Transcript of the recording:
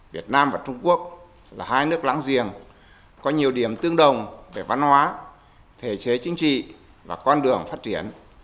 việt nam và trung quốc là hai nước láng giềng có nhiều điểm tương đồng về văn hóa thể chế chính trị và con đường phát triển